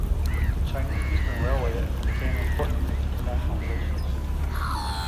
The Chinese Eastern Railway became important in international relations.